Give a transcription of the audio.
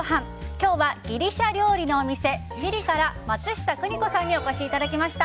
今日はギリシャ料理のお店フィリから松下邦子さんにお越しいただきました。